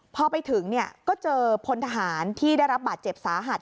พอไปถึงก็เจอพลทหารที่ได้รับบาดเจ็บสาหัส